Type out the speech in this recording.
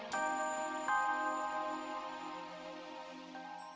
teman di kantor lagi